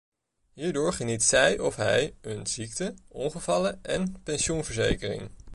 Hierdoor geniet zij of hij een ziekte-, ongevallen- en pensioenverzekering.